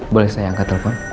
boleh saya angkat telepon